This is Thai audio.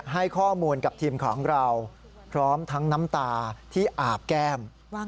ให้ข้อมูลกับทีมข่าวของเราพร้อมทั้งน้ำตาที่อาบแก้ม